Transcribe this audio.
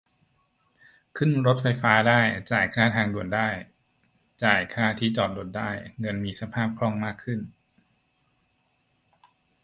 ขึ้นรถไฟฟ้าได้ จ่ายค่าทางด่วนได้ จายค่าที่จอดรถได้ - เงินมีสภาพคล่องมากขึ้น